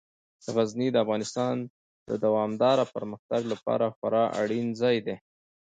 غزني د افغانستان د دوامداره پرمختګ لپاره خورا اړین ځای دی.